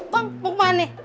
bang mau kemana